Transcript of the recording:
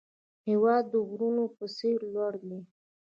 هېواد د غرونو په څېر لوړ دی.